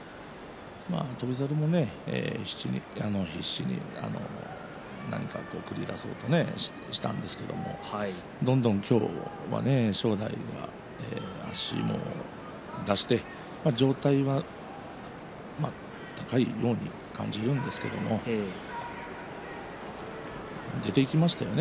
翔猿も必死に何か繰り出そうとしたんですけれどどんどん今日は正代が足も出して上体は高いように感じるんですけれど出ていきましたよね。